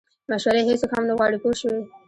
مشورې هیڅوک هم نه غواړي پوه شوې!.